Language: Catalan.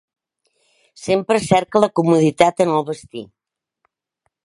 Sempre cerca la comoditat en el vestir.